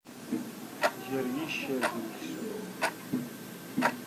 Gar yiccer d uksum.